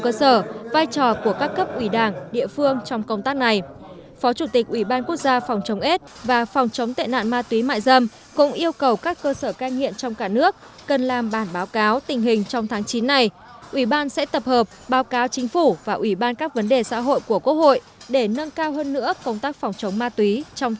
cơ sở ca nghiện ma túy số năm hiện đang được giao điều trị cho học viên ca nghiện tại đây